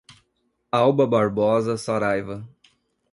Alba Barbosa Saraiva